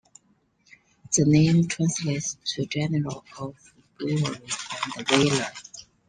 The name translates to "General of Bravery and Valor".